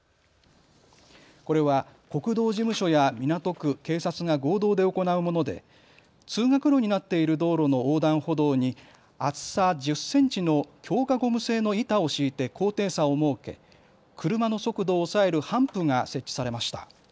これは国道事務所や港区、警察が合同で行うもので通学路になっている道路の横断歩道に厚さ１０センチの強化ゴム製の板を敷いて高低差を設け車の速度を抑えるハンプが設置されました。